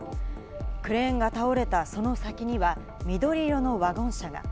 クレーンが倒れたその先には緑色のワゴン車が。